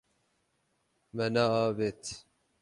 Me neavêt.